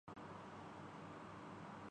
یہاں پہ بھی کچھ ایسا ہی معاملہ ہے۔